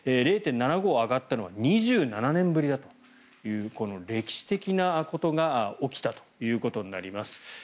０．７５上がったのは２７年ぶりだというこの歴史的なことが起きたということになります。